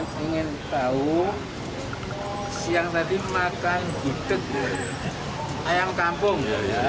jadi kemudian saya mau ditantang siang tadi makan butut ayam kampung